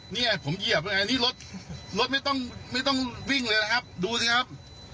เนี่ยผมเหยียบไงนี่รถรถไม่ต้องวิ่งเลยนะครับดูสิครับ